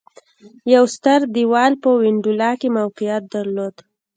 یو ستر دېوال په وینډولا کې موقعیت درلود